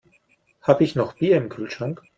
Habe ich noch Bier im Kühlschrank?